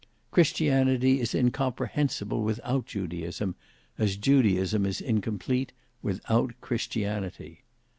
Christianity is incomprehensible without Judaism, as Judaism is incomplete; without Christianity.